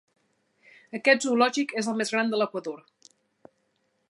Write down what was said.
Aquest zoològic és el més gran de l'Equador.